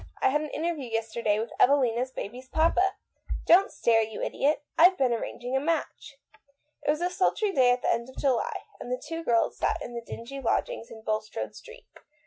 I had an interview yesterday with Evelina's baby's papa. Don't stare, you idiot. I've been arranging a match." It was a sultry day at the end of July, and the two girls sat in the dingy lodgings in Bul strode Street.